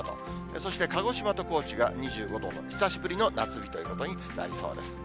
そして鹿児島と高知が２５度の久しぶりの夏日ということになりそうです。